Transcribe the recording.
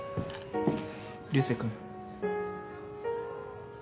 ・流星君。